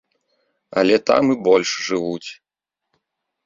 Але там і больш жывуць.